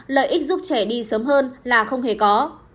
lợi ích giúp trẻ đi sớm hơn là không hề có